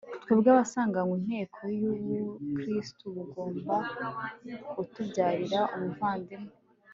twebwe abasanganwe intego y'uko ubukristu bugomba kutubyarira ubuvandimwe